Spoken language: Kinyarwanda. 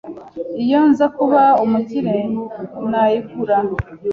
Iyo nza kuba umukire, nayigura.